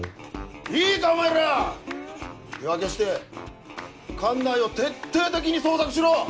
いいかお前ら！手分けして管内を徹底的に捜索しろ！